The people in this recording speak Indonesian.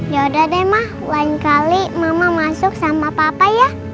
yaudah deh ma lain kali mama masuk sama papa